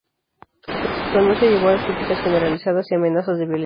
Su anuncio llevó a las críticas generalizadas y amenazas de violencia.